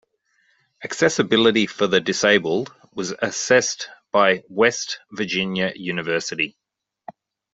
Accessibility for the disabled was assessed by West Virginia University.